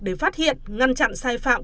để phát hiện ngăn chặn sai phạm